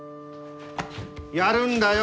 やるんだよ